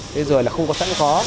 thế rồi là không có sẵn có